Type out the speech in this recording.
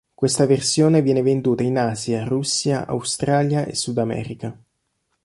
Questa versione viene venduta in Asia, Russia, Australia e Sud America.